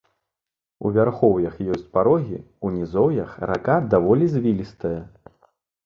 У вярхоўях ёсць парогі, у нізоўях рака даволі звілістая.